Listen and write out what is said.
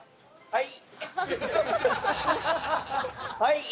はい。